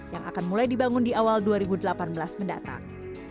yang akan mulai dibangun di awal dua ribu delapan belas mendatang